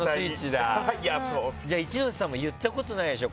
一ノ瀬さんも言ったことないでしょ。